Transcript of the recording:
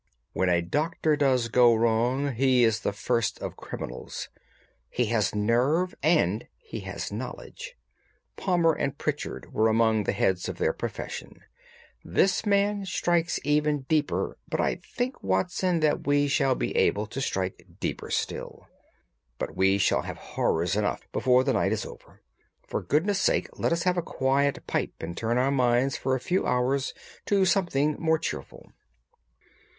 When a doctor does go wrong he is the first of criminals. He has nerve and he has knowledge. Palmer and Pritchard were among the heads of their profession. This man strikes even deeper, but I think, Watson, that we shall be able to strike deeper still. But we shall have horrors enough before the night is over; for goodness' sake let us have a quiet pipe and turn our minds for a few hours to something more cheerful."